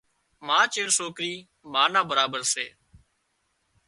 ما چيڙ سوڪرِي ما نا برابر سي